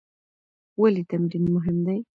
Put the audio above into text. ولې تمرین مهم دی؟